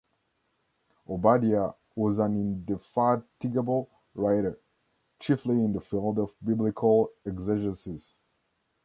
Obadiah was an indefatigable writer, chiefly in the field of Biblical exegesis.